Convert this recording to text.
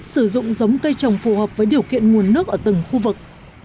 sử dụng giống cây trồng phù hợp với điều kiện nguồn nước ở từng khu vực